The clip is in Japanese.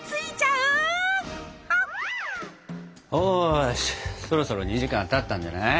よしそろそろ２時間たったんじゃない？